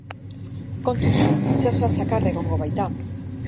Kontuz itsasoa, zakar egongo baita.